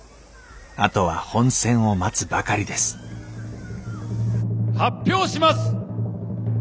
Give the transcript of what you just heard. あとは本選を待つばかりです発表します！